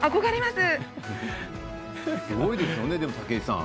すごいですよね、武井さん。